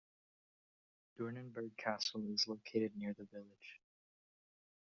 Doornenburg Castle is located near the village.